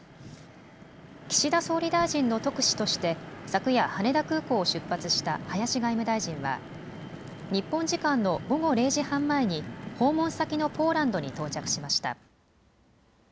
岸田総理大臣の特使として昨夜、羽田空港を出発した林外務大臣は日本時間の午後０時半前に訪問先のポーランドに到着しました。